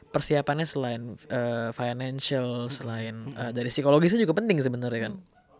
persiapannya selain financial selain dari psikologisnya juga penting sebenarnya kan